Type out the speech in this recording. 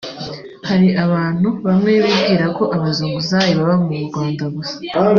Hari abantu bamwe bibwira ko abazunguzayi baba mu Rwanda gusa